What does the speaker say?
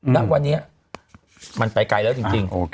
ณวันนี้มันไปไกลแล้วจริง